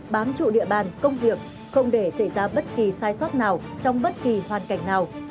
bám trụ địa bàn công việc không để xảy ra bất kỳ sai sót nào trong bất kỳ hoàn cảnh nào